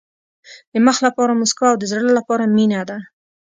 د مخ لپاره موسکا او د زړه لپاره مینه ده.